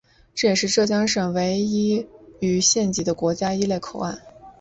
这也是浙江省唯一位于县级的国家一类口岸。